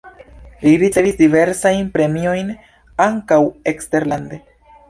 Li ricevis diversajn premiojn, ankaŭ eksterlande.